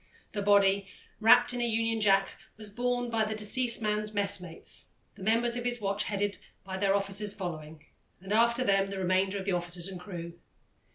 The body, wrapped in a Union Jack, was borne by the deceased man's messmates, the members of his watch headed by their officers following, and after them the remainder of the officers and crew.